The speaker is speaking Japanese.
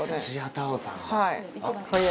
はい。